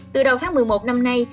từ đầu tháng một mươi một năm nay